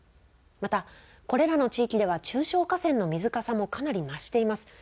またこれらの地域では中小河川の水かさもかなり増しています。